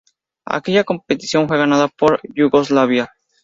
Aquella competición fue ganada por Yugoslavia.